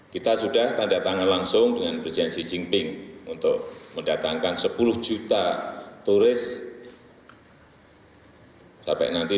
kita sudah tanda tangan langsung dengan presiden xi jinping untuk mendatangkan sepuluh juta turis sampai nanti